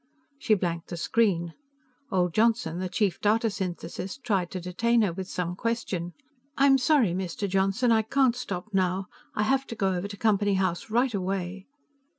She blanked the screen. Old Johnson, the chief data synthesist, tried to detain her with some question. "I'm sorry, Mr. Johnson. I can't stop now. I have to go over to Company House right away."